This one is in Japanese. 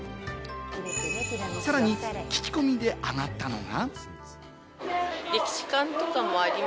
さらに聞き込みであがったのが。